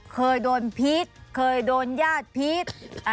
เคยโดนพีชเคยโดนญาติพีช